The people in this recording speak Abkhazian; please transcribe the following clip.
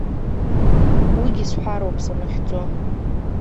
Уигьы сҳәароуп санахьӡо.